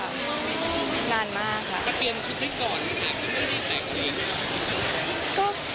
ถ้าเปลี่ยนชุดให้ก่อนมันอาจจะไม่ได้แตกเลยหรือเปล่า